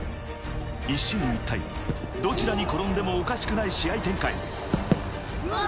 一進一退、どちらに転んでもおかしくない試合展開。